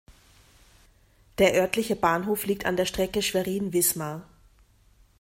Der örtliche Bahnhof liegt an der Strecke Schwerin–Wismar.